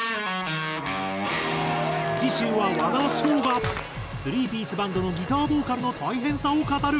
次週は和田唱が３ピースバンドのギターボーカルの大変さを語る。